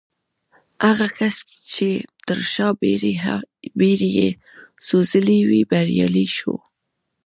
هغه کس چې تر شا بېړۍ يې سوځولې وې بريالی شو.